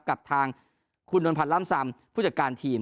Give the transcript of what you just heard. กับทางคุณนวลพันธ์ล่ำซำผู้จัดการทีม